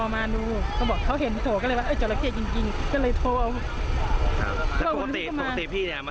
ไม่รู้เหมือนกันนะไม่เคยเห็นนะเพราะว่า